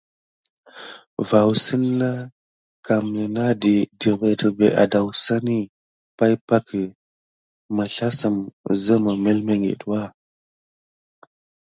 Vaoussən na kam nane dərɓé adassane pay pakə, məslassəm zəmə milmiŋɠitwa.